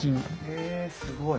へえすごい。